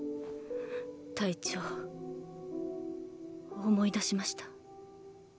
隊長思い出しました。